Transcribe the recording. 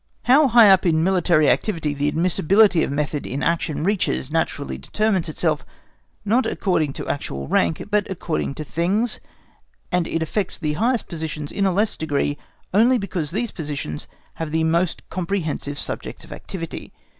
How high up in military activity the admissibility of method in action reaches naturally determines itself, not according to actual rank, but according to things; and it affects the highest positions in a less degree, only because these positions have the most comprehensive subjects of activity.